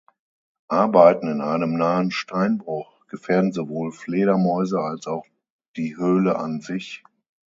Arbeiten in einem nahen Steinbruch gefährden sowohl Fledermäuse als auch die Höhle an sich.